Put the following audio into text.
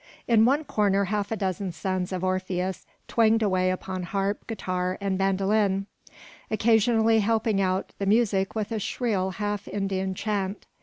In one corner half a dozen sons of Orpheus twanged away upon harp, guitar, and bandolin; occasionally helping out the music with a shrill half Indian chant.